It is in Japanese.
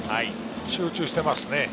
集中していますね。